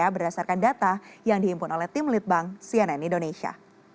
berdasarkan data yang dihimpun oleh tim litbang cnn indonesia